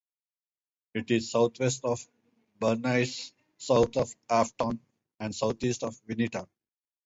It is southwest of Bernice, south of Afton, and southeast of Vinita.